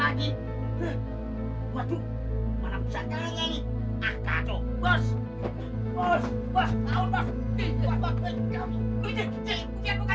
ampun ampun ampun